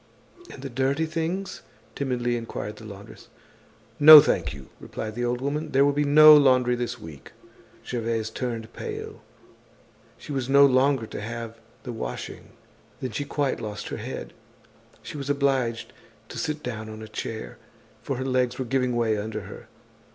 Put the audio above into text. "And the dirty things?" timidly inquired the laundress. "No, thank you," replied the old woman, "there will be no laundry this week." Gervaise turned pale. She was no longer to have the washing. Then she quite lost her head; she was obliged to sit down on a chair, for her legs were giving way under her.